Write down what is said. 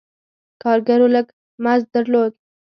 کارګرو لږ مزد درلود.